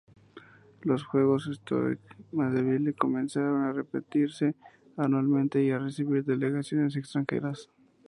Los Juegos de Stoke Mandeville comenzaron a repetirse anualmente y a recibir delegaciones extranjeras.